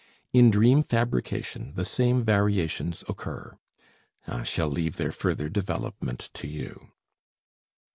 In dream fabrication the same variations occur. I shall leave their further development to you.